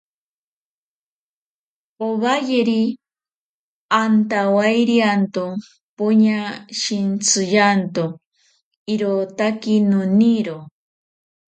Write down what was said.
Owayeri, antawairianto poña shintsiyanto... irotaki noniro.